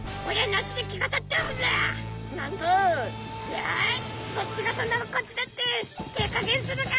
「よしそっちがそんならこっちだって手加減するか」。